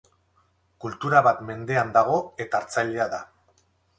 Kultura bat mendean dago eta hartzailea da.